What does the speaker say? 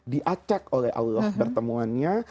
diacak oleh allah bertemuannya